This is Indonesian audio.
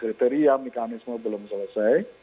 kriteria mekanisme belum selesai